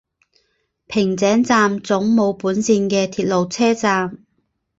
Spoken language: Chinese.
平井站总武本线的铁路车站。